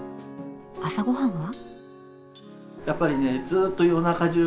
朝ごはんは？